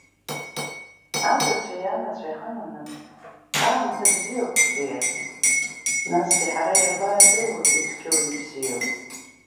Абацәеи анацәеи ҳаманаҵ, аамҭа бзиоуп, Кәтиа, насгьы ҳара иабаадыруеи уи цәгьоу ибзиоу.